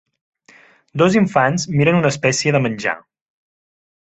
Dos infants miren una espècie de menjar.